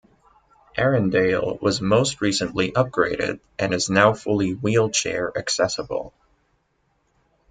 Erindale was most recently upgraded and is now fully wheel chair accessible.